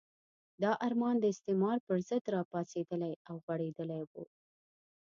دا ارمان د استعمار پرضد راپاڅېدلی او غوړېدلی وو.